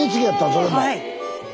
それも！え！